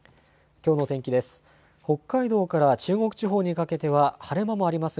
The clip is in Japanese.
きょうの天気です。